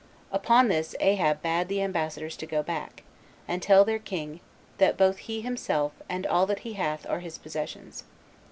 Upon this Ahab bade the ambassadors to go back, and tell their king, that both he himself and all that he hath are his possessions.